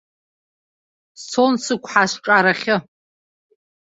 Сцон сықәҳа сҿарахьы.